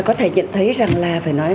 có thể nhận thấy rằng là